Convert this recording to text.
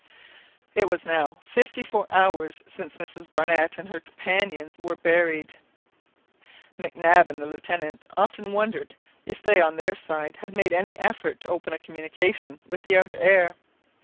It was now fifty four hours since Mrs Barnett and her companions were buried! Mac Nab and the Lieutenant often wondered if they on their side had made any effort to open a communication with the outer air.